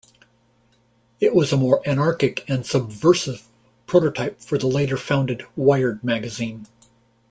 It was a more anarchic and subversive prototype for the later-founded "Wired" magazine.